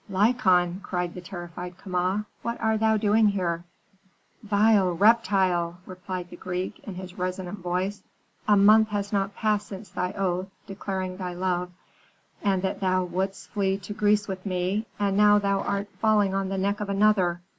"Lykon!" cried the terrified Kama. "What art thou doing here?" "Vile reptile!" replied the Greek, in his resonant voice. "A month has not passed since thy oath, declaring thy love, and that thou wouldst flee to Greece with me, and now thou art falling on the neck of another.